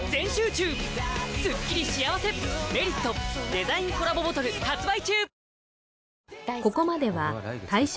デザインコラボボトル発売中！